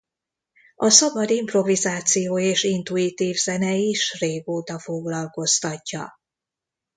A szabad improvizáció és intuitív zene is régóta foglalkoztatja.